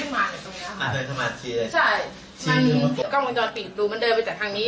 มันกล้องวิจัยติดมันเดินไปจากทางนี้